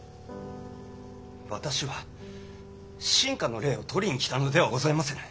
私は臣下の礼を取りに来たのではございませぬ。